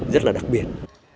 rất là đặc biệt